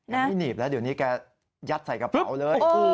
ไม่หนีบแล้วเดี๋ยวนี้แกยัดใส่กระเป๋าเลย